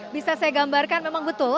bisa saya gambarkan memang betul